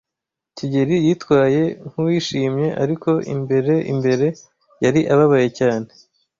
kigeli yitwaye nkuwishimye, ariko imbere imbere, yari ababaye cyane.